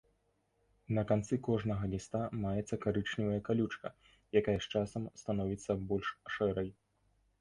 На канцы кожнага ліста маецца карычневая калючка, якая з часам становіцца больш шэрай.